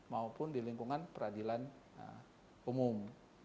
maupun di lingkungan peradilan umum